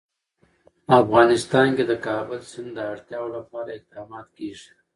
افغانستان کې د کابل سیند د اړتیاوو لپاره اقدامات کېږي.